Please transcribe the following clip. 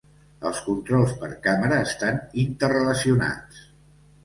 Els controls per càmera estan interrelacionats.